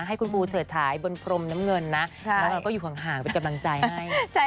ให้คุณปูเฉิดฉายบนพรมน้ำเงินนะแล้วเราก็อยู่ห่างเป็นกำลังใจให้